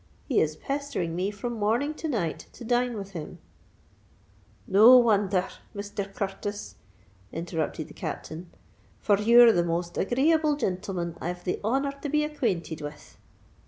He is pestering me from morning to night to dine with him——" "No wonther, Misther Curtis!" interrupted the Captain; "for you're the most agreeable jintleman I've the honour to be acquainted with."